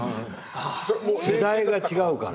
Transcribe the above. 世代が違うから。